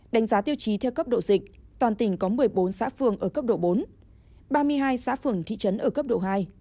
đánh giá tiêu chí theo cấp độ dịch toàn tỉnh có một mươi bốn xã phường ở cấp độ bốn ba mươi hai xã phường thị trấn ở cấp độ hai